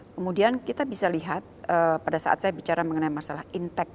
kemudian kita bisa lihat pada saat saya bicara mengenai masalah intek